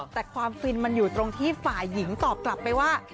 แต่ความฟินมันอยู่ตรงที่ฝ่ายหญิงตอบกลับไปว่า